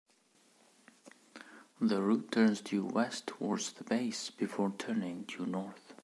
The route turns due west towards the base, before turning due north.